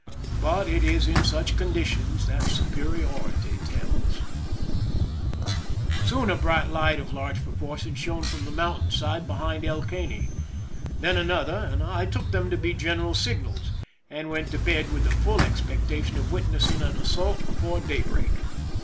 But it is in such conditions that superiority tells. 278 PRISON LIFE THE SIEGE Soon a bright light of large proportions shone from the mountain side behind El Caney, then an other, and I took them to be general signals, and went to bed with the full expectation of witnessing an assault before daybreak.